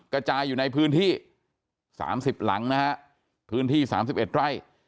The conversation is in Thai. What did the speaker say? กระจายอยู่ในพื้นที่สามสิบหลังนะฮะพื้นที่สามสิบเอ็ดไว้